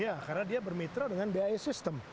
iya karena dia bermitra dengan bi sistem